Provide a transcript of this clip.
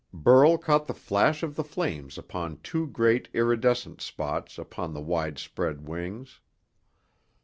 Burl caught the flash of the flames upon two great iridescent spots upon the wide spread wings.